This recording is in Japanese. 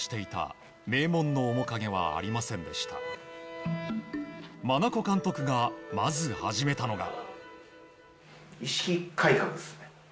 真名子監督がまず始めたのが。